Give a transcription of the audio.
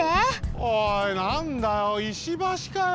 おいなんだよ石橋かよ！